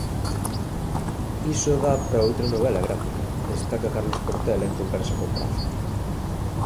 Iso dá pra outra novela gráfica, destaca Carlos Portela en conversa con Praza.